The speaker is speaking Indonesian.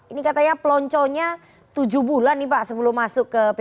ini katanya pelonconya tujuh bulan nih pak sebelum masuk ke p tiga